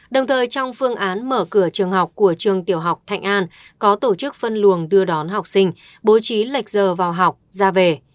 đồng thời trong phương án mở cửa trường học của trường tiểu học thạnh an có tổ chức phân luồng đưa đón học sinh bố trí lệch giờ vào học ra về